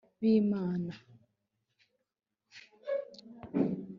b'imana (